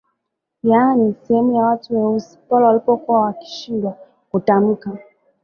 Yaani sehemu ya watu weusi pale walipokuwa wakishindwa kutamka